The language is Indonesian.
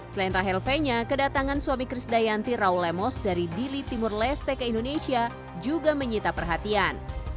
selain rachel fenya kedatangan suami chris dayanti raul lemos dari dili timur leste ke indonesia juga menyita perhatian